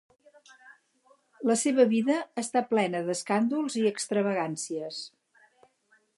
La seva vida està plena d'escàndols i extravagàncies.